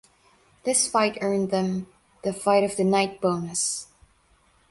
This fight earned them the "Fight of the Night" bonus.